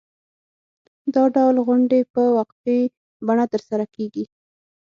دا ډول غونډې په وقفې بڼه ترسره کېږي.